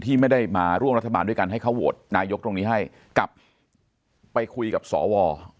ที่ไม่ได้มาร่วมรัฐบาลด้วยกันให้เขาโหวตนายกตรงนี้ให้กับไปคุยกับสว